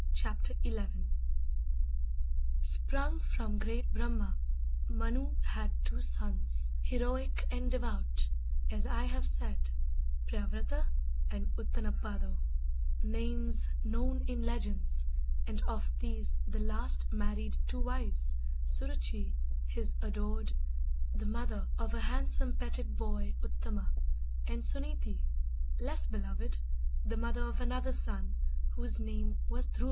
Chapter XI._ Sprung from great Brahma, Manu had two sons, Heroic and devout, as I have said, Pryavrata and Uttanapado, names Known in legends; and of these the last Married two wives, Suruchee, his adored, The mother of a handsome petted boy Uttama; and Suneetee, less beloved, The mother of another son whose name Was Dhruva.